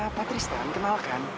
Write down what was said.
patristan kenal kan